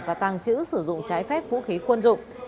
và tàng trữ sử dụng trái phép vũ khí quân dụng